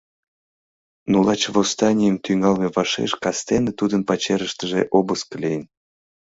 Но лач восстанийым тӱҥалме вашеш кастене тудын пачерыштыже обыск лийын.